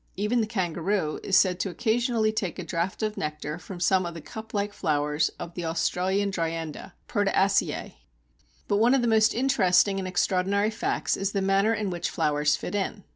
Even the Kangaroo is said to occasionally take a draught of nectar from some of the cup like flowers of the Australian Dryandra (Proteaceae). But one of the most interesting and extraordinary facts is the manner in which flowers fit in.